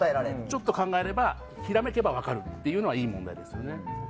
ちょっと考えればひらめけば分かるというのがいい問題ですね。